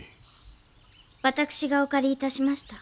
私がお借り致しました。